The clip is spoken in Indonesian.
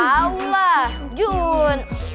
tahu lah jun